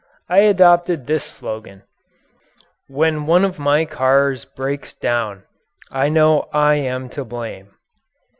I adopted this slogan: "When one of my cars breaks down I know I am to blame."